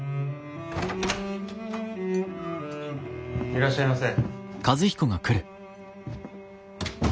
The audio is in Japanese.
いらっしゃいませ。